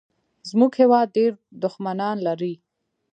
زمونږ هېواد ډېر دوښمنان لري